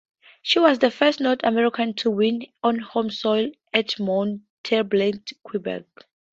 She was the first North American to win on home soil at Mont-Tremblant, Quebec.